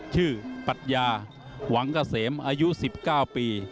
ชื่อปัทยาหวังเกษมอายุสิบเก้าปี